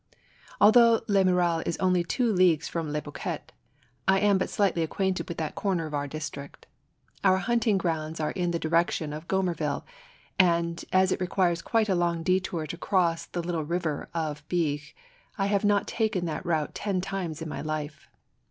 Although Les Mureaux is only two leagues from Le Boquet, I am but slightly acquainted with that corner of our district. Our hunting grounds are in the direc tion of Gommerville, and, as it requires quite a long detour to cross the little Kiver of Beage, I have not taken that route ten times in my life.